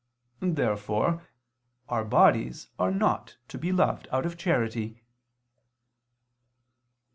Therefore our bodies are not to be loved out of charity. Obj.